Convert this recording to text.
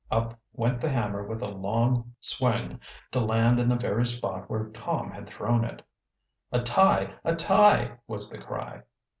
Up went the hammer with a long swing to land in the very spot where Tom had thrown it. "A tie! A tie!" was the cry.